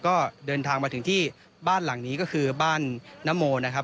ก็เดินทางมาถึงที่บ้านหลังนี้ก็คือบ้านนโมนะครับ